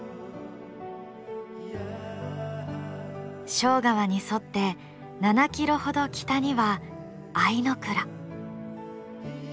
庄川に沿って７キロほど北には相倉。